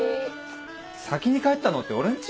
先に帰ったのって俺んち？